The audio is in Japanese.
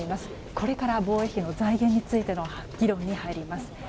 これから防衛費の財源についての議論に入ります。